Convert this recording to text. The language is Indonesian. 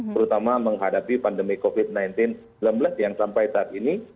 terutama menghadapi pandemi covid sembilan belas yang sampai saat ini